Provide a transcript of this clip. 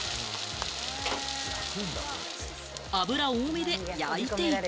油多めで焼いていく。